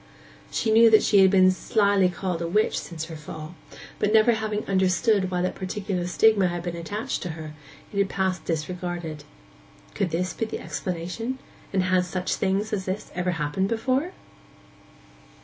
She knew that she had been slily called a witch since her fall; but never having understood why that particular stigma had been attached to her, it had passed disregarded. Could this be the explanation, and had such things as this ever happened before?